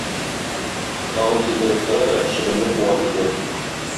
Тагын сикереп тора да чебенне куа китә.